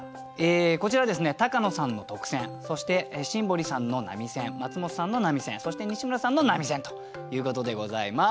こちらはですね高野さんの特選そして新堀さんの並選松本さんの並選そして西村さんの並選ということでございます。